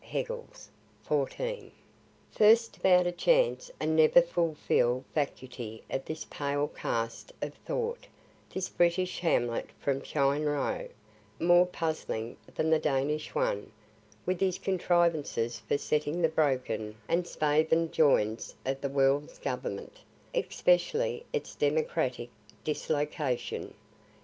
Hegel's. First, about a chance, a never fulfill'd vacuity of this pale cast of thought this British Hamlet from Cheyne row, more puzzling than the Danish one, with his contrivances for settling the broken and spavin'd joints of the world's government, especially its democratic dislocation.